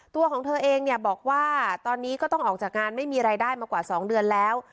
ตัวของเธอเองเนี่ยบอกว่าตอนนี้ก็ต้องออกจากงานไม่มีรายได้มากว่า๒เดือนแล้ว